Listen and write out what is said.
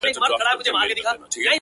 دغه رنگينه او حسينه سپوږمۍ;